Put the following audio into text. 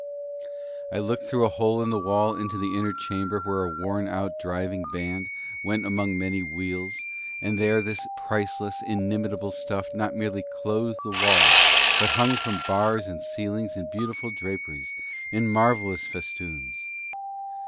I looked through a hole in the wall into an inner chamber where a worn out driving band went among many wheels, and there this priceless inimitable stuff not merely clothed the walls but hung from bars and ceiling in beautiful draperies, in marvellous festoons.